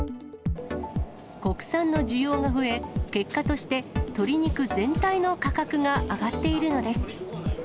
国産の需要が増え、結果として鶏肉全体の価格が上がっているのです。